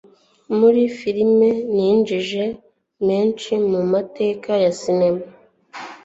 muri filime zinjije menshi mu mateka ya sinema